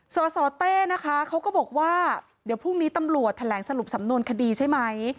สสเต้นะคะเขาก็บอกว่าเดี๋ยวพรุ่งนี้ตำรวจแถลงสรุปสำนวนคดีใช่ไหม